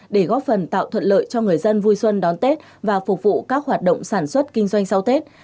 để góp phần tạo thuận lợi cho người dân vui xuân đón tết và phục vụ các hoạt động sản xuất kinh doanh sau tết